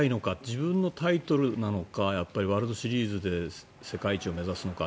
自分のタイトルなのかワールドシリーズで世界一を目指すのか。